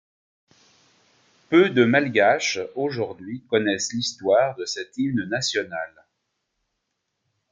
Peu de Malgaches aujourd'hui connaissent l'histoire de cet hymne nationale.